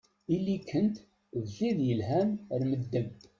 Ili-kent d tid yelhan ar medden.